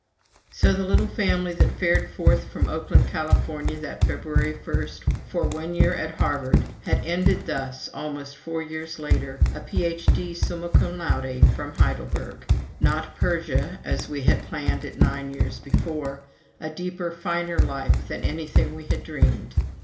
So the little family that fared forth from Oakland, California, that February 1, for one year at Harvard had ended thus almost four years later a Ph.D. summa cum laude from Heidelberg. Not Persia as we had planned it nine years before a deeper, finer life than anything we had dreamed.